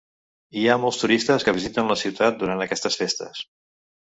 Hi ha molts turistes que visiten la ciutat durant aquestes festes.